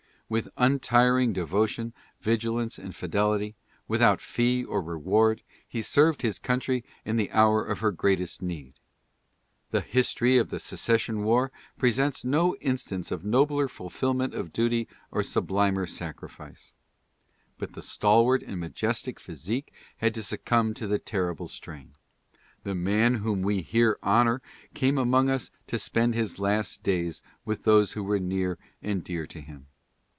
With untiring devotion, vigil ance and fidelity, without fee or reward, he served his country in the hour of her greatest need. The history of the secession war presents no instance of nobler fulfilment of duty or sub limer sacrifice. But the stalwart and majestic physique had to succumb to the terrible strain. The man whom we here honor came among us to spend his last days with those who were near and dear to him.